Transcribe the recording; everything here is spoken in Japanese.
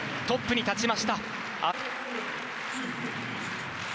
トップに立ちました。